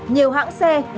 nhiều hãng xe đã tăng cao